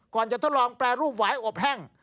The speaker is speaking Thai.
ก่อนจะทดลองแปรรูปหวายอบแห้ง